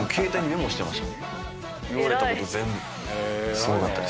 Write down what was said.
すごかったです。